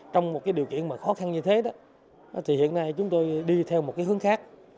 trong một điều kiện khó khăn như thế hiện nay chúng tôi đi theo một hướng khác